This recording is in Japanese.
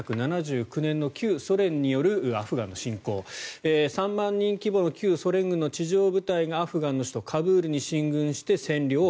１９７９年の旧ソ連によるアフガンの侵攻３万人規模の旧ソ連軍の地上部隊がアフガンの首都カブールに進軍して占領。